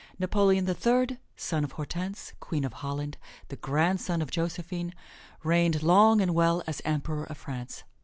Napoleon the Third, son of Hortense, Queen of Holland, the grandson of Josephine, reigned long and well as Emperor of France.